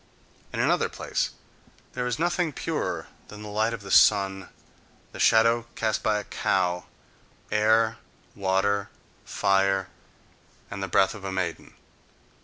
In another place: "there is nothing purer than the light of the sun, the shadow cast by a cow, air, water, fire and the breath of a maiden."